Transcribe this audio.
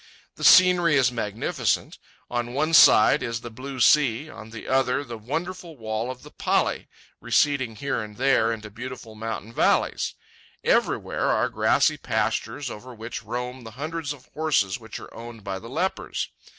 The scenery is magnificent; on one side is the blue sea, on the other the wonderful wall of the pali, receding here and there into beautiful mountain valleys. Everywhere are grassy pastures over which roam the hundreds of horses which are owned by the lepers.